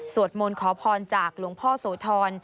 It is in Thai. มนต์ขอพรจากหลวงพ่อโสธร